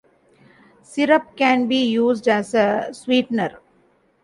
Syrup can be used as a sweetener.